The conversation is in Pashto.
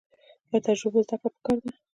له تجربو زده کړه پکار ده